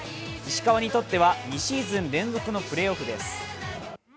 石川にとっては２シーズン連続のプレーオフです。